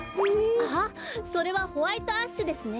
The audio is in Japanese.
ああそれはホワイトアッシュですね。